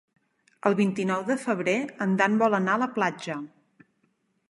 El vint-i-nou de febrer en Dan vol anar a la platja.